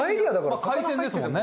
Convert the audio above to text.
まあ海鮮ですもんね。